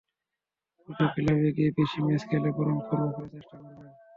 ছোট ক্লাবে গিয়ে বেশি ম্যাচ খেলে বরং ফর্মে ফেরার চেষ্টা করবেন।